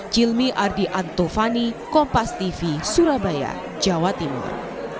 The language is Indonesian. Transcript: jilmy ardi antovani kompas tv surabaya jawa timur